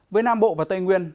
với nam bộ và tây nguyên